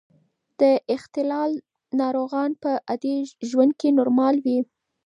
د اختلال ناروغان په عادي ژوند کې نورمال وي.